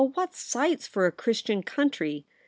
what sights for a Christian country